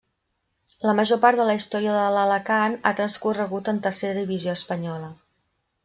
La major part de la història de l'Alacant ha transcorregut en Tercera divisió espanyola.